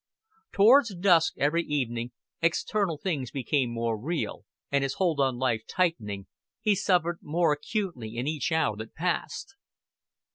Toward dusk every evening external things became more real, and his hold on life tightening, he suffered more acutely in each hour that passed.